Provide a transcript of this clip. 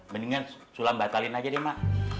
mendingan sulam batalin aja deh mak